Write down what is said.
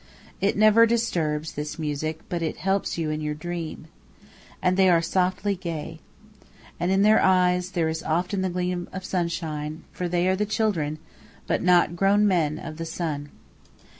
It never disturbs, this music, but it helps you in your dream. And they are softly gay. And in their eyes there is often the gleam of sunshine, for they are the children but not grown men of the sun.